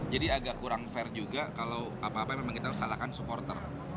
jadi agak kurang fair juga kalau apa apa memang kita salahkan supporter